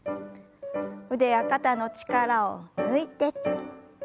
腕や肩の力を抜いて。